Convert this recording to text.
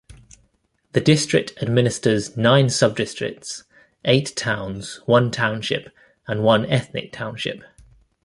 The district administers nine subdistricts, eight towns, one township, and one ethnic township.